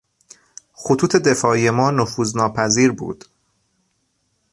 خطوط دفاعی ما نفوذناپذیر بود.